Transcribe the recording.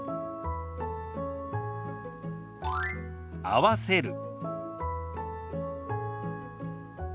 「合わせる」。